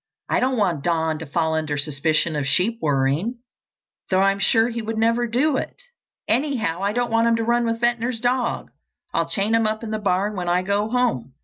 "I don't want Don to fall under suspicion of sheep worrying, though I'm sure he would never do it. Anyhow, I don't want him to run with Ventnor's dog. I'll chain him up in the barn when I go home.